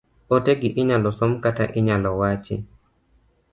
Ote gi inyalo som kata inyalo wachi.